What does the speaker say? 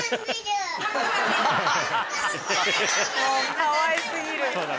かわい過ぎる。